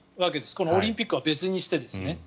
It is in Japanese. このオリンピックは別にしてですね。